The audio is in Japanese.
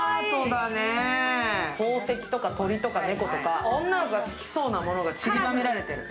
宝石とか鳥とか猫とか女の子が好きそうなものがちりばめられてる。